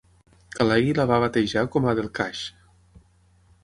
Khaleghi la va batejar com a Delkash.